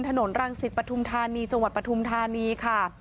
ถนนรังศิษย์ประทุมธานีจังหวัดประทุมธานีค่ะ